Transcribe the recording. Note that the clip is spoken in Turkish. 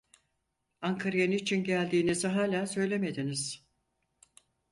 Ankara'ya niçin geldiğinizi hâlâ söylemediniz!